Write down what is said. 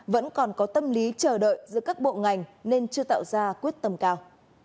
vẫn còn có tâm lý chờ đợi giữa các bộ ngành nên chưa tạo ra quyết tâm cao